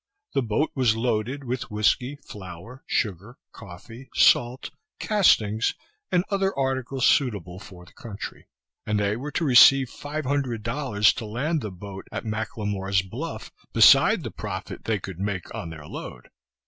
The boat was loaded with whiskey, flour, sugar, coffee, salt, castings, and other articles suitable for the country; and they were to receive five hundred dollars to land the load at M'Lemore's Bluff, beside the profit they could make on their load.